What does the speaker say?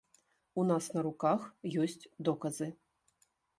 У нас на руках ёсць доказы.